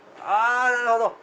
なるほど。